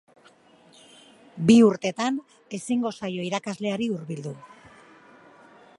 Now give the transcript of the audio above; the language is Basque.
Bi urtetan ezin izango zaio irakasleari hurbildu.